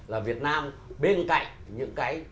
là việt nam bên cạnh những cái